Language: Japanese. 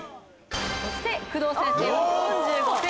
そして工藤先生は４５点。